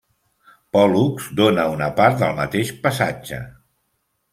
Pòl·lux dona una part del mateix passatge.